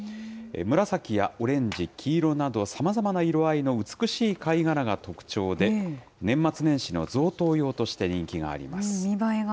紫やオレンジ、黄色など、さまざまな色合いの美しい貝殻が特徴で、年末年始の贈答用として人気があります。